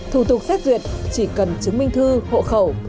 thủ tục xét duyệt chỉ cần chứng minh thư hộ khẩu